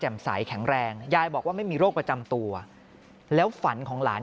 ใสแข็งแรงยายบอกว่าไม่มีโรคประจำตัวแล้วฝันของหลาน